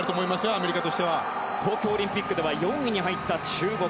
アメリカとしては東京オリンピックでは４位に入った中国。